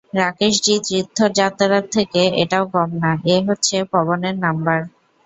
রাকেশজি তৃর্থযাত্রার থেকে এটাও কম না, এ হচ্ছে পবন এর নাম্বার।